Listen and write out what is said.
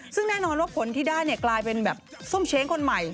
ซึ่งแน่นอนว่าผลที่ได้กลายเป็นแบบส้มเช้งคนใหม่